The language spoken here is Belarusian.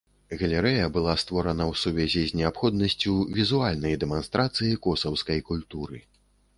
Галерэя была створана ў сувязі з неабходнасцю візуальнай дэманстрацыі косаўскай культуры.